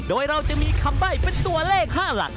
โดยเราจะมีคำใบ้เป็นตัวเลข๕หลัก